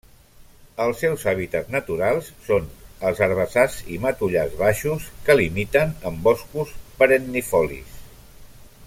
Els seus hàbitats naturals són els herbassars i matollars baixos que limiten amb boscos perennifolis.